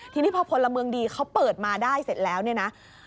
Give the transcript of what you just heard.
ทีนี้พอพลเมืองดีเขาเปิดมาได้เสร็จแล้วเนี่ยนะ